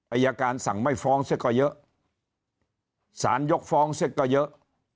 อัยการสั่งไม่ฟ้องซึ่งก็เยอะศาลยกฟ้องซึ่งก็เยอะ